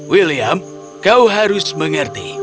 william kau harus mengerti